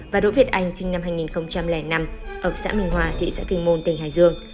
và đỗ việt anh sinh năm hai nghìn năm ở xã minh hòa thị xã kinh môn tỉnh hải dương